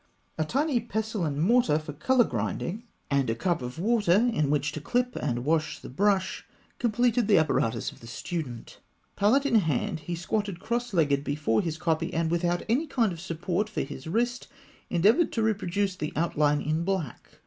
A tiny pestle and mortar for colour grinding (fig. 160), and a cup of water in which to clip and wash the brush, completed the apparatus of the student. Palette in hand, he squatted cross legged before his copy, and, without any kind of support for his wrist, endeavoured to reproduce the outline in black.